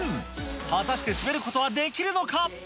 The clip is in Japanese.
果たして滑ることはできるのか。